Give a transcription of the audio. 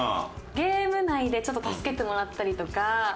ゲーム内でちょっと助けてもらったりとか。